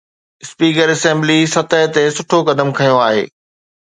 Speaker assembly سطح تي سٺو قدم کنيو آهي.